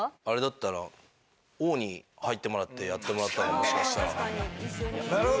あれだったら王に入ってもらってやってもらったらもしかしたら。